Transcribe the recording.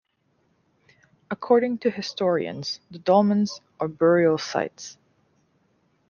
According to historians, the dolmens are burial sites.